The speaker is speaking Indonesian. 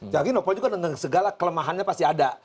jadi novel juga dengan segala kelemahannya pasti ada